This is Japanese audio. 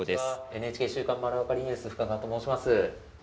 ＮＨＫ週刊まるわかりニュース、深川と申します。